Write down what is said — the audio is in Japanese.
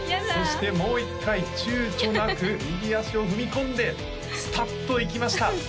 そしてもう一回ちゅうちょなく右足を踏み込んでスタッといきました